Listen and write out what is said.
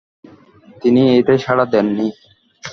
তিনি এতে সাড়া দেননি।